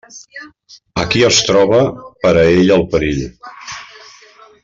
Ací es troba per a ell el perill.